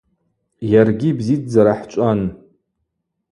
Йаргьи бзидздзара хӏчӏван.